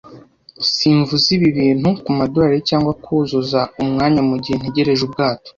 Simvuze ibi bintu kumadorari cyangwa kuzuza umwanya mugihe ntegereje ubwato,